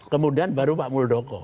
kemudian baru pak muldoko